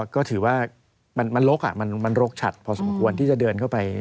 ก็ถือว่ามันลกมันรกชัดพอสมควรที่จะเดินเข้าไป